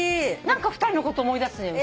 何か２人のこと思い出すのよ。